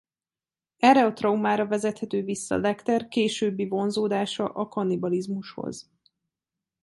Erre a traumára vezethető vissza Lecter későbbi vonzódása a kannibalizmushoz.